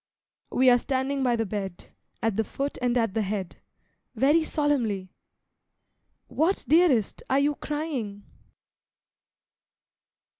We are standing by the bed, At the foot and at the head, Very solemnly!——What, dearest, are you crying?